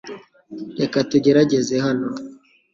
Reka tugerageze hano .